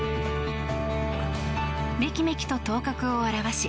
めきめきと頭角を現し